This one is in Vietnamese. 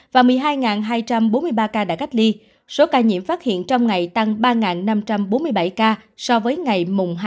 và một mươi hai hai trăm bốn mươi ba ca đã cách ly số ca nhiễm phát hiện trong ngày tăng ba năm trăm bốn mươi bảy ca so với ngày hai mươi